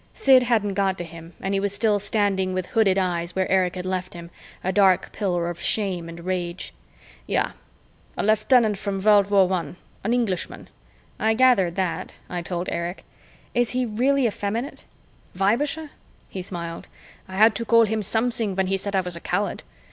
Sid hadn't got to him and he was still standing with hooded eyes where Erich had left him, a dark pillar of shame and rage. "Ja, a lieutenant from World War One. An Englishman." "I gathered that," I told Erich. "Is he really effeminate?" "Weibischer?" He smiled. "I had to call him something when he said I was a coward.